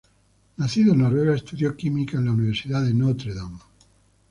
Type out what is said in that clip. Nacido en Noruega, estudió Química en la Universidad de Notre Dame.